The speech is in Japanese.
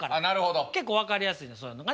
結構分かりやすいねんそういうのがね。